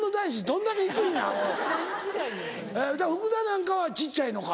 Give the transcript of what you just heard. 福田なんかは小っちゃいのか。